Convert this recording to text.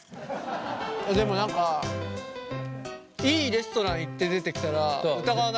でも何かいいレストラン行って出てきたら疑わないかも。